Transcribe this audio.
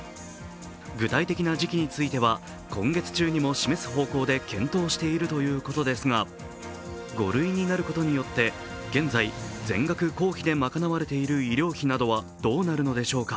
具体的な時期については今月中にも示す方向で検討しているということですが５類になることによって現在、全額公費で賄われている医療費などはどうなるのでしょうか。